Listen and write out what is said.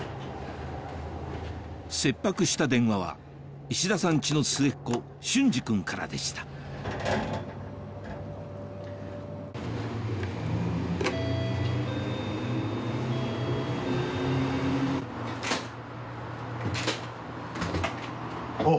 切迫した電話は石田さんチの末っ子隼司君からでしたおぉ。